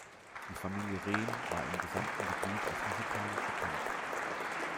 Die Familie Rehm war im gesamten Gebiet als musikalisch bekannt.